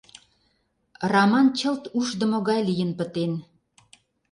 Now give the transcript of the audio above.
Раман чылт ушдымо гай лийын пытен.